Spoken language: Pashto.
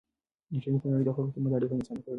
انټرنېټ د نړۍ د خلکو ترمنځ اړیکه اسانه کړې.